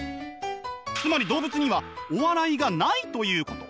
つまり動物にはお笑いがないということ。